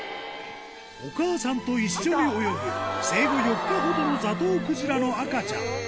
お母さんと一緒に泳ぐ生後４日ほどのザトウクジラの赤ちゃん。